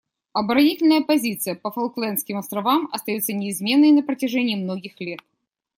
Оборонительная позиция по Фолклендским островам остается неизменной на протяжении многих лет.